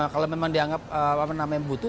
kalau memang dianggap apa namanya yang butuh